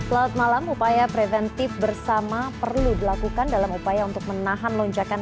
laut malam upaya preventif bersama perlu dilakukan dalam upaya untuk menahan lonjakan